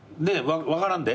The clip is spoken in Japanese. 分からんで。